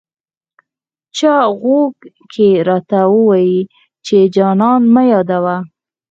چا غوږ کې راته وویې چې جانان مه یادوه.